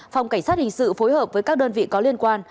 phòng cảnh sát hình sự phối hợp với các đơn vị có liên quan